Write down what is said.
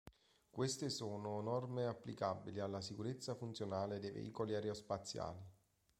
Queste sono norme applicabili alla sicurezza funzionale dei veicoli aerospaziali.